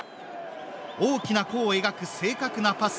大きな弧を描く正確なパス。